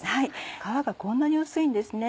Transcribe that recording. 皮がこんなに薄いんですね